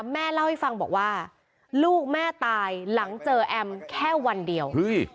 แม่เล่าให้ฟังบอกว่าลูกแม่ตายหลังเจอแอมแค่วันเดียว